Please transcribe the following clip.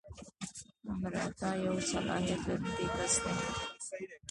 آمر اعطا یو صلاحیت لرونکی کس دی.